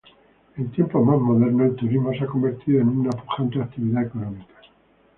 En tiempos más modernos el turismo se ha convertido en una pujante actividad económica.